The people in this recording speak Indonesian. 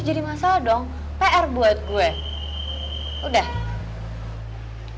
masalah dong pr buat gue udah